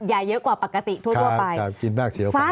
อย่าเยอะกว่าปกติทั่วไปค่ะกินมากเสียวฟัน